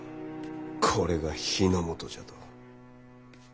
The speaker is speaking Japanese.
これが日ノ本じゃと。